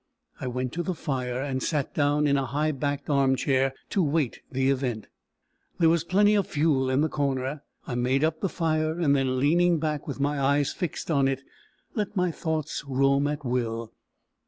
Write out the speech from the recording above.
I went to the fire, and sat down in a high backed arm chair, to wait the event. There was plenty of fuel in the corner. I made up the fire, and then, leaning back, with my eyes fixed on it, let my thoughts roam at will.